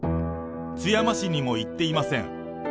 津山市にも行っていません。